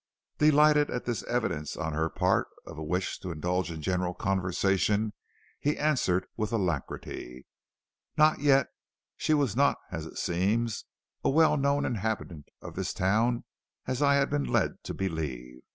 Delighted at this evidence on her part of a wish to indulge in general conversation, he answered with alacrity: "Not yet. She was not, as it seems, a well known inhabitant of this town as I had been led to believe.